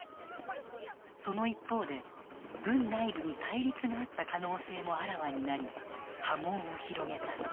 その一方で軍内部に対立があった可能性もあらわになり、波紋を広げた。